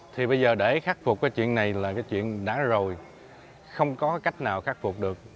thì bây giờ để khắc phục cái chuyện này là cái chuyện đã rồi không có cách nào khắc phục được